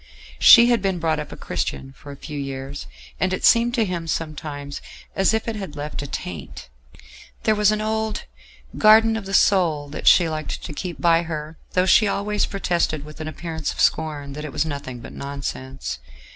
She had been brought up a Christian for a few years, and it seemed to him sometimes as if it had left a taint. There was an old "Garden of the Soul" that she liked to keep by her, though she always protested with an appearance of scorn that it was nothing but nonsense.